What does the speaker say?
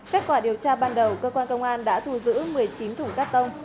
kết quả điều tra ban đầu cơ quan công an đã thù giữ một mươi chín thủng cát tông